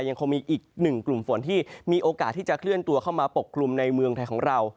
ยังคงมีอีกหนึ่งกลุ่มฝนที่มีโอกาสที่จะเคลื่อนตัวเข้ามาปกกลุ่มในเมืองไทยของเรา